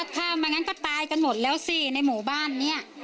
ถ้ามางั้นก็ตายกันหมดแล้วสิในหมู่บ้านเนี่ย